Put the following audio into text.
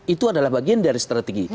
itu adalah bagian dari strategi